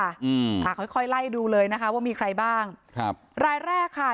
อ่าค่อยค่อยไล่ดูเลยนะคะว่ามีใครบ้างครับรายแรกค่ะ